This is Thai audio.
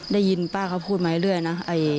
ได้ยินป้าเขาพูดมาเรื่อยนะ